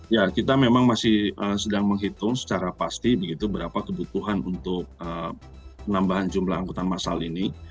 ya kita memang masih sedang menghitung secara pasti begitu berapa kebutuhan untuk penambahan jumlah angkutan masal ini